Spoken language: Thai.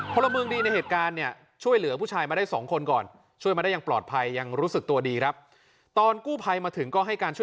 พลเมืองดีในเหตุการณ์ช่วยเหลือผู้ชายมาได้๒คนก่อน